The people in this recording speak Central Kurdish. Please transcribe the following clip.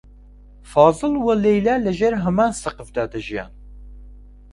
فازڵ و لەیلا لەژێر هەمان سەقفدا دەژیان.